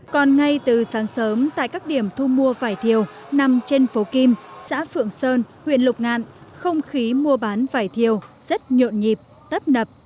còn ngay từ sáng sớm tại các điểm thu mua vải thiều nằm trên phố kim xã phượng sơn huyện lục ngạn không khí mua bán vải thiều rất nhộn nhịp tấp nập